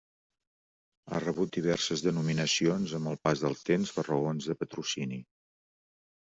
Ha rebut diverses denominacions amb el pas del temps per raons de patrocini.